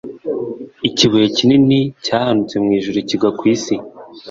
ikibuye kinini cyahanutse mwijuru kigwa kw'isi